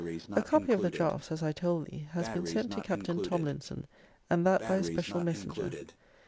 A copy of the draughts, as I told thee, has been sent to Captain Tomlinson; and that by a special messenger.